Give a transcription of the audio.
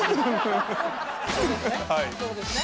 そうですね。